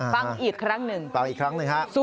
ฟังอีกครั้งหนึ่ง